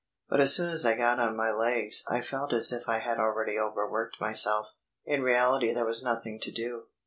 But as soon as I got on my legs I felt as if I had already over worked myself. In reality there was nothing to do.